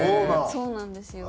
そうなんですよ。